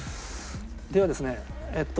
ではですねえっと